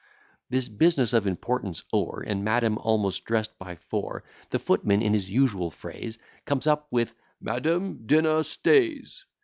This business of importance o'er, And madam almost dress'd by four; The footman, in his usual phrase, Comes up with, "Madam, dinner stays."